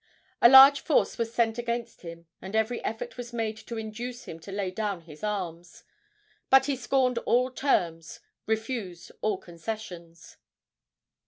A large force was sent against him, and every effort was made to induce him to lay down his arms. But he scorned all terms, refused all concessions.